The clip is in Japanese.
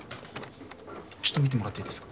ちょっと見てもらっていいですか？